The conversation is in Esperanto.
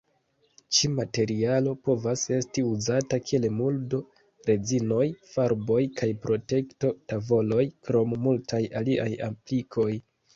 Ĉi-materialo povas esti uzata kiel muldo-rezinoj, farboj kaj protekto-tavoloj, krom multaj aliaj aplikoj.